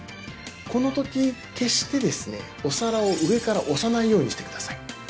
この時決してですねお皿を上から押さないようにしてください